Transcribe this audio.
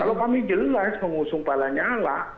kalau pak amin jelas mengusung pak lanya lah